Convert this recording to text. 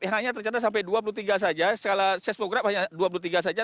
hanya tercatat sampai dua puluh tiga saja skala seismograf hanya dua puluh tiga saja